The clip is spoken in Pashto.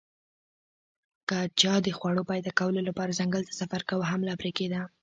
که چا د خوړو پیدا کولو لپاره ځنګل ته سفر کاوه حمله پرې کېده